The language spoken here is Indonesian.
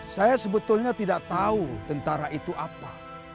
saya sebetulnya tidak tahu tentara itu apa